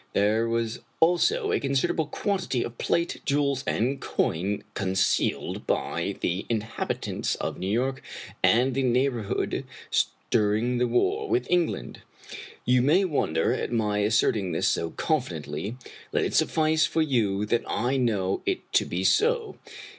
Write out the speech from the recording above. There was also a considerable quantity of plate, jewels, and coin concealed by the inhabitants of New York and the neighborhood during the war with England. You may wonder at my asserting this so confidently. Let it suffice for you that I know it to be so.